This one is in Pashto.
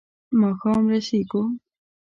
ماښام رسېږو.